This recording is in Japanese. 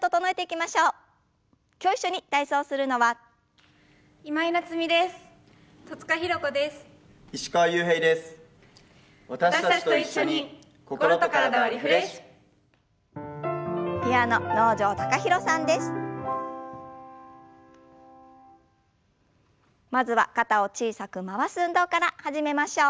まずは肩を小さく回す運動から始めましょう。